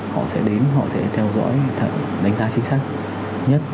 họ sẽ đến họ sẽ theo dõi đánh giá chính xác nhất